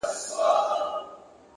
نیک چلند د دوستۍ بنسټ جوړوي.